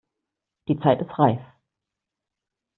Die Zeit ist reif!